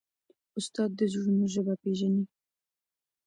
استاد د زړونو ژبه پېژني.